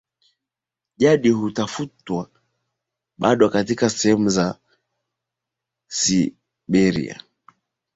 jadi hufuatwa bado katika sehemu za Siberia